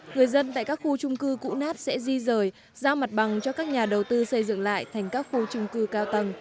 người dân tại các khu trung cư cũ nát sẽ di rời giao mặt bằng cho các nhà đầu tư xây dựng lại thành các khu trung cư cao tầng